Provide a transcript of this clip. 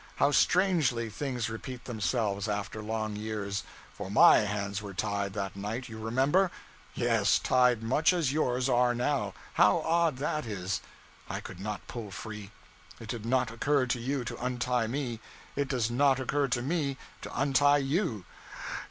How strangely things repeat themselves, after long years; for my hands were tied, that night, you remember? Yes, tied much as yours are now how odd that is. I could not pull free. It did not occur to you to untie me; it does not occur to me to untie you.